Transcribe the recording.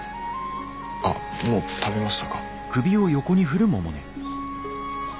あっもう食べましたか？